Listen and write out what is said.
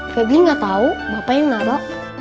kayak gini gak tau bapaknya ngapa